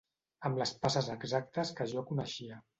Amb les passes exactes que jo coneixia.